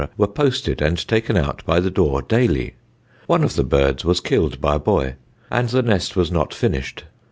were posted and taken out by the door daily. One of the birds was killed by a boy, and the nest was not finished.